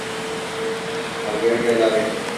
Al llegar a la Av.